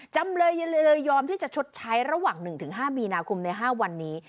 จำเลยยอมที่จะชดใช้ระหว่าง๑๕มีนาคมใน๕วันนี้